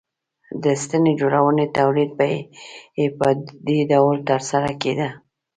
د ستنې جوړونې تولید یې په دې ډول ترسره کېده